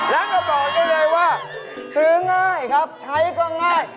แล้วก็บอกได้เลยว่าซื้อง่ายครับใช้ก็ง่าย